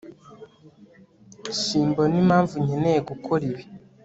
simbona impamvu nkeneye gukora ibi